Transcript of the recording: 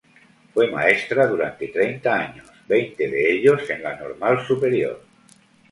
Fue maestra durante treinta años, veinte de ellos en la Normal Superior.